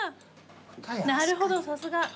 なるほどさすが。